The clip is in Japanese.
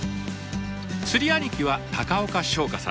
釣り兄貴は高岡翔輝さん。